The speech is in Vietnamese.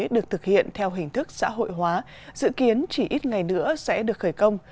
được thực hiện theo hình thức xã hội hóa dự kiến chỉ ít ngày nữa sẽ được khởi công